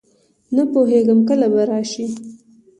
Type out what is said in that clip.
نه پوهېږم کله به راشي.